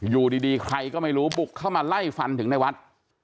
อยู่ดีใครก็ไม่รู้บุกเข้ามาไล่ฟันถึงในวัด